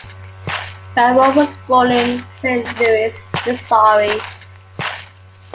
Barone was born in Saint Louis, Missouri.